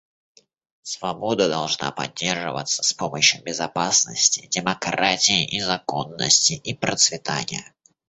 Свобода должна поддерживаться с помощью безопасности, демократии и законности и процветания.